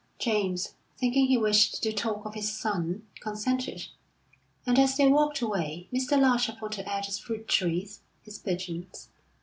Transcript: James, thinking he wished to talk of his son, consented, and as they walked away, Mr. Larcher pointed out his fruit trees, his pigeons.